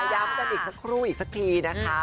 อย่ามันเป็นอีกครูลอีกสักทีนะคะ